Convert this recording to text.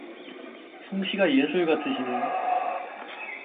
솜씨가 예술 같으시네요.